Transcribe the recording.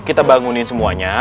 kita bangunin semuanya